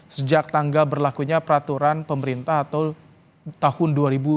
sejak tanggal berlakunya peraturan pemerintah atau tahun dua ribu dua puluh